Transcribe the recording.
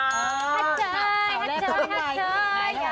หัชเจยหัชเจยหัชเจย